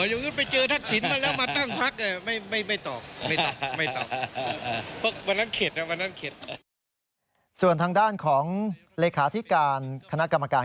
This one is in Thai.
กรณีนี้ทางด้านของประธานกรกฎาได้ออกมาพูดแล้ว